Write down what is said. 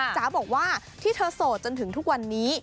จ๋าบอกว่าที่เธอโสดจนถึงทุกวันนี้